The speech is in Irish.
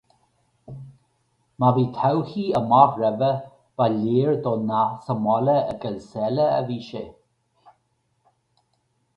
Má bhí todhchaí amach roimhe, ba léir dó nach sa mbaile i gCoill Sáile a bhí sé.